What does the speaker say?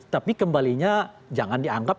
tapi kembalinya jangan dianggap